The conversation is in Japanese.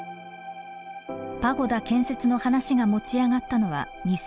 パゴダ建設の話が持ち上がったのは２０１２年。